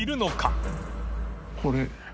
これ。